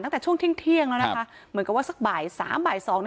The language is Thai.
ตั้งแต่ช่วงเที่ยงแล้วนะคะเหมือนกับว่าสักบ่าย๓บ่าย๒